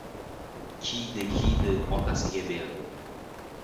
Kiydi-kiydi, otasiga berdi.